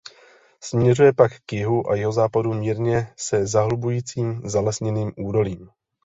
Směřuje pak k jihu a jihozápadu mírně se zahlubujícím zalesněným údolím.